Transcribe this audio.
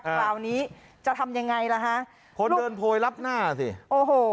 คราวนี้จะทำยังไงล่ะฮะคนเดินโพยรับหน้าสิโอ้โห